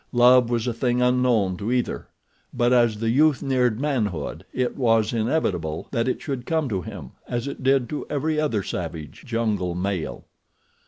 Love was a thing unknown to either; but as the youth neared manhood it was inevitable that it should come to him as it did to every other savage, jungle male.